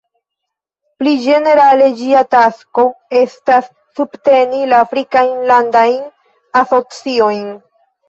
Pli ĝenerale ĝia tasko estas subteni la Afrikajn landajn asociojn.